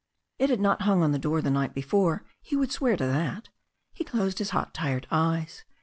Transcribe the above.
It had not hung on the door the night before, he would swear to that. He closed his hot tired eyes.